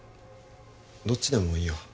どっちでもいいよ